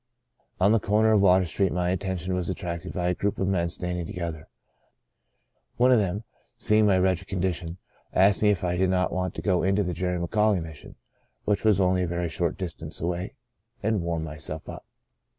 On the corner of Water Street my attention was attracted by a group of men standing together. One of them, seeing my wretched condition, asked me if I did not want to go into the Jerry McAuley Mission (which was only a very short distance away) and warm myself up.